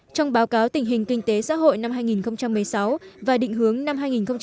trong báo cáo tình hình kinh tế xã hội năm hai nghìn một mươi sáu và định hướng năm hai nghìn hai mươi